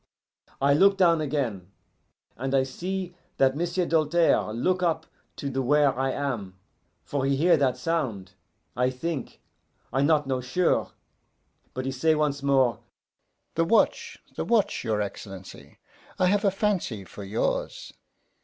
I look down again, and I see that M'sieu' Doltaire look up to the where I am, for he hear that sound, I think I not know sure. But he say once more, 'The watch, the watch, your Excellency! I have a fancy for yours!